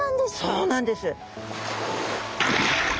そうなんです。